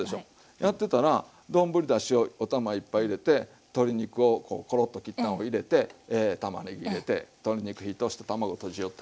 やってたら丼だしをお玉１杯入れて鶏肉をこうコロッと切ったんを入れてたまねぎ入れて鶏肉火通して卵とじよった。